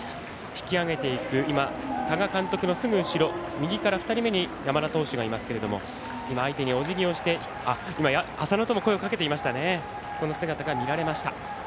引き揚げていく多賀監督のすぐ後ろ右から２人目に山田投手がいますけれども相手におじぎをして浅野とも声をかけていました。